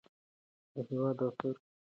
د هېواد اثار د ملي هویت برخه ده.